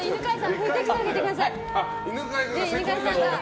拭いてあげてください。